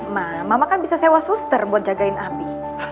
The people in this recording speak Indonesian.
ma mama kan bisa sewa suster buat jagain abi